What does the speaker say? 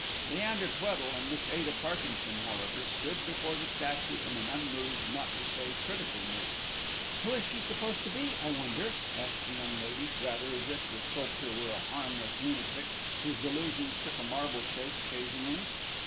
Leander Tweddle and Miss Ada Parkinson, however, stood before the statue in an unmoved, not to say critical, mood. "Who's she supposed to be, I wonder?" asked the young lady, rather as if the sculptor were a harmless lunatic whose delusions took a marble shape occasionally.